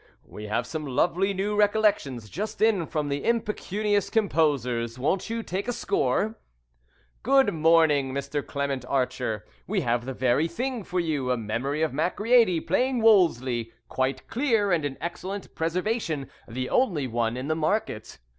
We have some lovely new recollections just in from impecunious composers. Won't you take a score? Good morning, Mr. Clement Archer. We have the very thing for you a memory of Macready playing Wolsey, quite clear and in excellent preservation; the only one in the market.